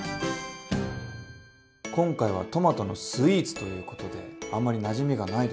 今回はトマトのスイーツということであんまりなじみがないですよね。